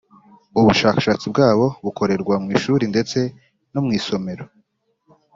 Ubushakashatsi bwabo bukorerwa mu ishuri ndetse no mu isomero.